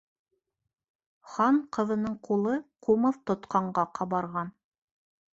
Хан ҡыҙының ҡулы ҡумыҙ тотҡанға ҡабарған.